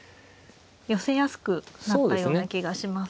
寄せやすくなったような気がします。